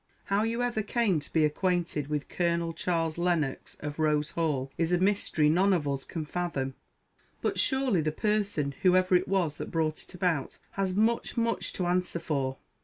How you ever _came _to be acquainted with Colonel Charles Lennox of Rose Hall is a mystery none of us can fathom; but surely the person, _whoever _it was that brought it about, has much, much to answer for!